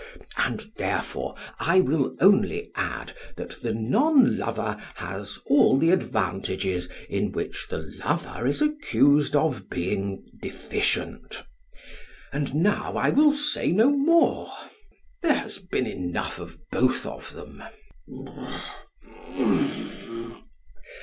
And therefore I will only add that the non lover has all the advantages in which the lover is accused of being deficient. And now I will say no more; there has been enough of both of them.